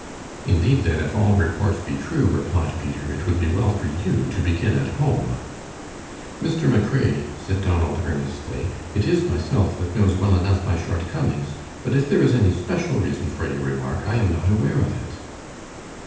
"Indeed, then, if all reports be true," replied Peter, "it would be well for you to begin at home." "Mr. McRae," said Donald, earnestly, "it is myself that knows well enough my shortcomings, but if there is any special reason for your remark, I am not aware of it."